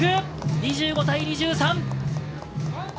２５対２３。